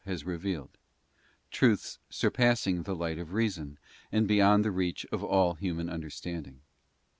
has revealed — truths surpassing the light of reason, and beyond the reach of all human understanding.